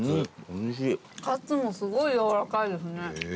カツもすごい軟らかいですね。